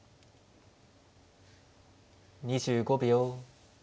２５秒。